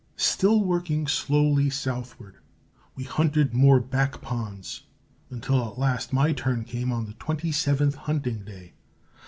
Still working slowly southward, we hunted more back ponds, until at last my turn came on the twenty seventh hunting day.